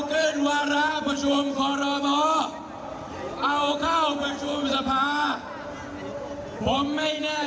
เปลี่ยนเอเซียไปด้วยกันแล้วเรามาเปลี่ยนโลกนี้ไปด้วยกันค่ะ